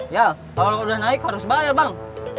ya kalau udah naik harus bayar bang